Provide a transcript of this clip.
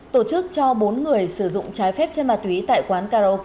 tổ chức cho bốn người sử dụng trái phép chất ma túy tại quán